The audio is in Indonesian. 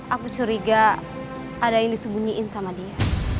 aku curiga ada yang disembunyiin sama dia